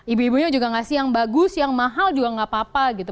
ibu ibunya juga ngasih yang bagus yang mahal juga nggak apa apa gitu